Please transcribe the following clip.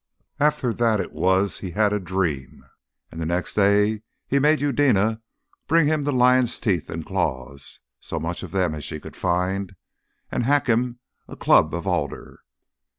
After that it was he had a dream, and the next day he made Eudena bring him the lion's teeth and claws so much of them as she could find and hack him a club of alder.